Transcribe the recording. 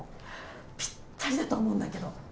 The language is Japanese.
ぴったりだと思うんだけど。